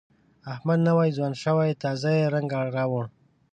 احمد نوی ځوان شوی، تازه یې رنګ راوړ.